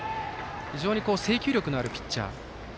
非常に制球力のあるピッチャー。